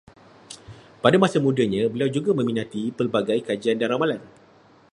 Pada masa mudanya, beliau juga meminati pelbagai kajian dan ramalan